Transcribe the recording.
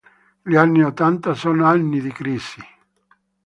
Gli anni ottanta sono anni di crisi.